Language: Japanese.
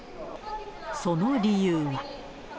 その理由が。